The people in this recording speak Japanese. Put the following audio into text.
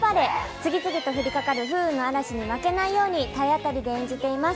次々と降りかかる不運の嵐に負けないように、体当たりで演じています。